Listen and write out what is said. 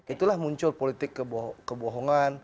itulah muncul politik kebohongan